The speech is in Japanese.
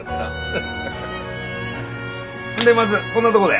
んでまずこんなどごで。